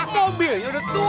mobilnya udah tua